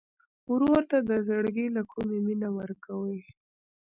ورور ته د زړګي له کومي مینه ورکوې.